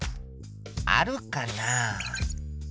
あるかな？